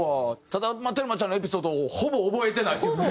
ただテルマちゃんのエピソードをほぼ覚えてないというね。